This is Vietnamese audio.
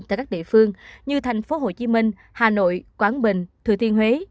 của các địa phương như thành phố hồ chí minh hà nội quảng bình thừa tiên huế